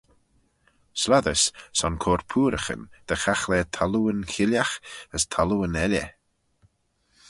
Slattys son coyrt pooaraghyn dy chaghlaa thallooyn chillagh as thallooyn elley.